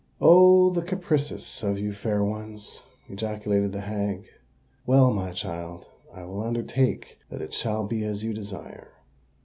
"Oh! the caprices of you fair ones!" ejaculated the hag. "Well, my child, I will undertake that it shall be as you desire."